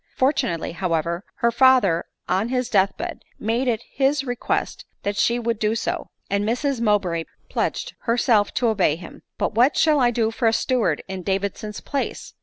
Fortunately, however, her father on his death bed made it his request that she would do so ; and l^rs Mowbray pledged her self to obey him. " But what shall I do for a steward in Davison's place